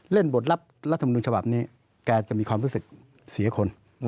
เล่นบทรับรัฐมนุนฉบับนี้แกจะมีความรู้สึกเสียคน